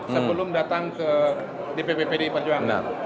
sebelum datang ke dpp pdi perjuangan